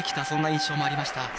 そんな印象もありました。